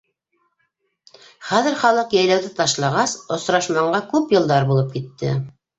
Хәҙер халыҡ йәйләүҙе ташлағас, осрашмағанға күп йылдар булып китте.